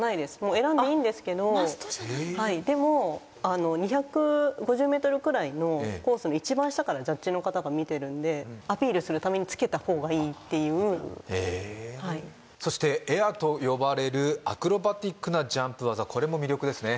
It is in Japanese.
選んでいいんですけどでも２５０ｍくらいのコースの一番下からジャッジの方が見てるんでアピールするためにつけた方がいいっていうそしてエアと呼ばれるアクロバティックなジャンプ技これも魅力ですね